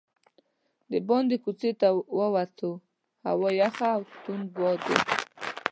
دباندې کوڅې ته راووتو، هوا یخه او توند باد و.